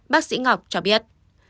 bác sĩ ngọc cho biết